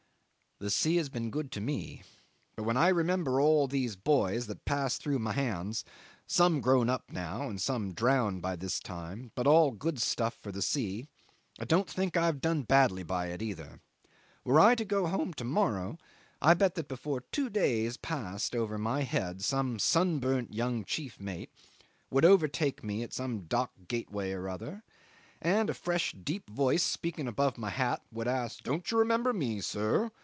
The sea has been good to me, but when I remember all these boys that passed through my hands, some grown up now and some drowned by this time, but all good stuff for the sea, I don't think I have done badly by it either. Were I to go home to morrow, I bet that before two days passed over my head some sunburnt young chief mate would overtake me at some dock gateway or other, and a fresh deep voice speaking above my hat would ask: "Don't you remember me, sir?